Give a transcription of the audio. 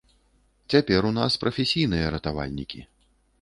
Цяпер у нас прафесійныя ратавальнікі.